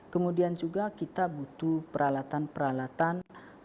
kemudian juga kita butuh peralatan peralatan